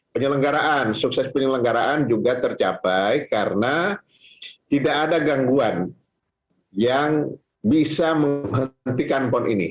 penyelenggaraan sukses penyelenggaraan juga tercapai karena tidak ada gangguan yang bisa menghentikan pon ini